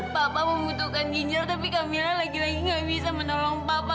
papa membutuhkan ginjal tapi kamila lagi lagi nggak bisa menolong papa